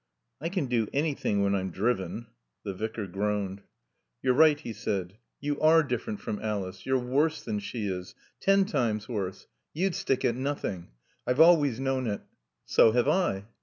"I can do anything when I'm driven." The Vicar groaned. "You're right," he said. "You are different from Alice. You're worse than she is ten times worse. You'd stick at nothing. I've always known it." "So have I."